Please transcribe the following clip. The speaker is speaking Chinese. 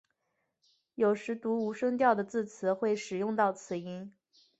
有时读无声调的字词时会使用到此音。